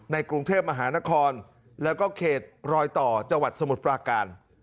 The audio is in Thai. กรุงเทพมหานครแล้วก็เขตรอยต่อจังหวัดสมุทรปราการ